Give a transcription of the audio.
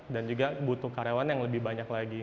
dan juga butuh karyawan yang lebih banyak lagi